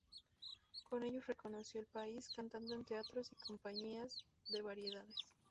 Con ellos recorrió el país, cantando en teatros y compañías de variedades.